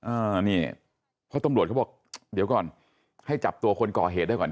อ่านี่เพราะตำรวจเขาบอกเดี๋ยวก่อนให้จับตัวคนก่อเหตุได้ก่อน